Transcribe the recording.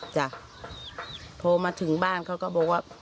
พูดไปบ้านเขาก็บอกว่า